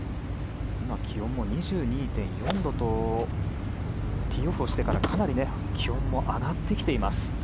気温も２２．４度とティーオフしてからかなり気温も上がってきています。